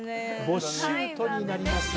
ボッシュートになります